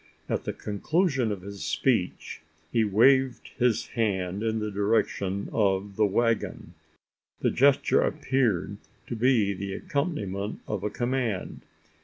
At the conclusion of his speech, he waved his hand in the direction of the waggon. The gesture appeared to be the accompaniment of a command.